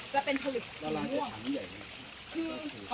จะเป็นผลิตหลายหลายสิ้นใหญ่ไหม